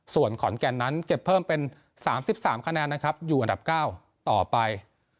ส่วนขอนแก่นนั้นเก็บเพิ่มเป็น๓๓คะแนนนะครับอยู่อันดับ๙ต่อไป